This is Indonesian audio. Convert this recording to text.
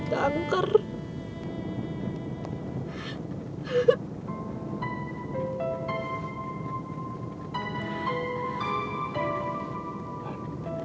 papa sakit kanker